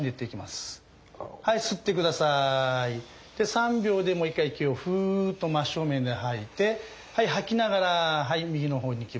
３秒でもう一回息をフーッと真正面で吐いて吐きながら右の方にいきます。